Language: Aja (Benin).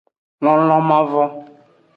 Lonlon mavo.